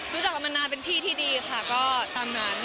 รู้จักกันมานานเป็นพี่ที่ดีค่ะก็ตามนั้น